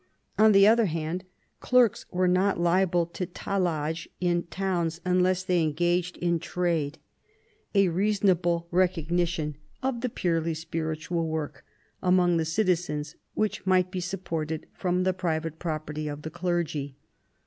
On the other hand, clerks were not liable to tallage in towns unless they engaged in trade — a reasonable recognition of the v THE ADVANCE OF THE MONARCHY 115 purely spiritual work among the citizens which might be supported from the private property of the clergy.